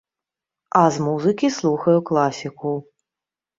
А з музыкі слухаю класіку.